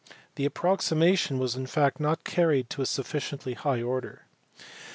The approximation was in fact not carried to a sufficiently high order.